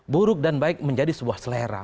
buruk dan baik menjadi sebuah selera